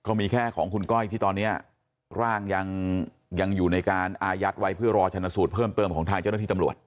มีแค่ของคุณก้อยที่ตอนนี้ร่างยังอยู่ในการอายัดไว้เพื่อรอชนสูตรเพิ่มเติมของทางเจ้าหน้าที่ตำรวจ